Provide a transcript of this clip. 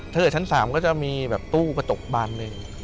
ถ้าเกิดชั้นสามก็จะมีแบบตู้ประตูบ้านนึง